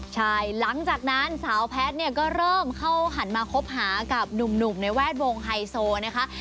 ใช่หลังจากนั้นสาวแพทย์เนี่ยก็เริ่มเข้าหันมาคบหากับหนุ่มในแวดวงไฮโซนะคะ